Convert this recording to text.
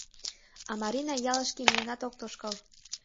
А Марина ялышке миенат ок тошкал.